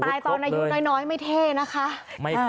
ตอนอายุน้อยไม่เท่นะคะ